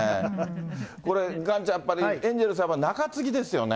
これ、岩ちゃん、やっぱりエンゼルス、やっぱり中継ぎですよね。